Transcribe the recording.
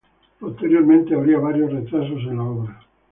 Posteriormente habría varios retrasos en la obra.